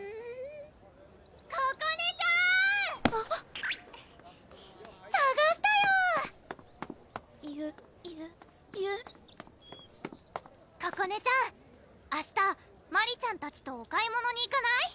・ここねちゃん・さがしたよゆゆゆここねちゃん明日マリちゃんたちとお買い物に行かない？